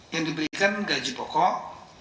yang diberikan gaji pokok